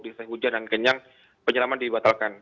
di setiap hujan dan kenyang penyelamatan dibatalkan